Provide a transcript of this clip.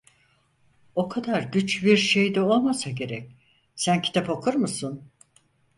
O kadar güç bir şey de olmasa gerek, sen kitap okur musun?